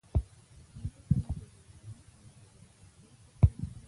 پنځه کاله په زندان او نظر بندۍ کې تېر کړل.